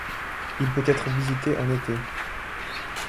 Il peut être visité en été.